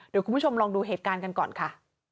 เดี๋ยวคุณผู้ชมลองดูเหตุการณ์กันก่อนค่ะ